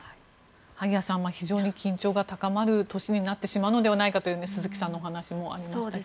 萩谷さんは非常に緊張感が高まってしまうのではという鈴木さんのお話もありましたが。